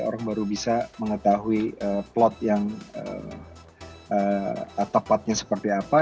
orang baru bisa mengetahui plot yang tepatnya seperti apa